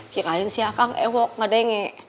kirain siakang ewok ga denge